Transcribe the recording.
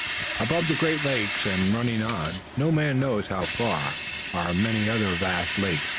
Above the Great Lakes and running on, no man knows how far, are many other vast lakes.